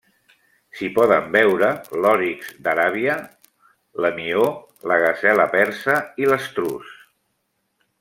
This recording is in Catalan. S'hi poden veure l'òrix d'Aràbia, l'hemió, la gasela persa i l'estruç.